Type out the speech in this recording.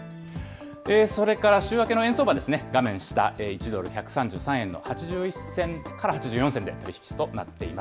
それから週明けの円相場ですね、画面下、１ドル１３３円の８１銭から８４銭で取り引きとなってい